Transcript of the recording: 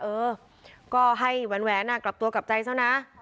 เออก็ให้หวันกลับตัวกลับใจเท่านั้นนะ